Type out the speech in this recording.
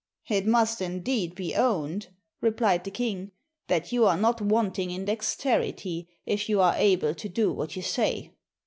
"It must, indeed, be owned," replied the king, "that you are not wanting in dexterity, if you are able to do what you say.